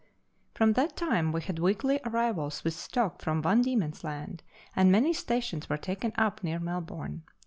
From that time we had weekly arrivals with stock from Van Diemen's Laud, and many stations were taken up near Mel bourne.